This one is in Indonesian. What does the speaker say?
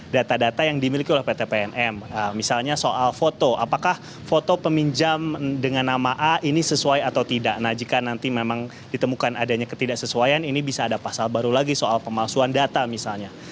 data data yang dimiliki oleh pt pnm misalnya soal foto apakah foto peminjam dengan nama a ini sesuai atau tidak nah jika nanti memang ditemukan adanya ketidaksesuaian ini bisa ada pasal baru lagi soal pemalsuan data misalnya